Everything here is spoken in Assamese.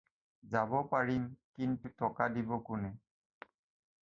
যাব পাৰিম, কিন্তু টকা দিব কোনে।